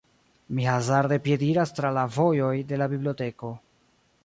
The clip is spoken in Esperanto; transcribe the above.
Mi hazarde piediras tra la vojoj de la biblioteko.